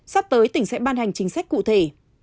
sắp tới tỉnh sẽ ban hành chính sách cụ thể